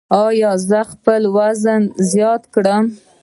ایا زه باید خپل وزن زیات کړم؟